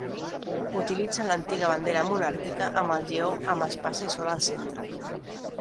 Utilitzen l'antiga bandera monàrquica amb el lleó amb espasa i sol al centre.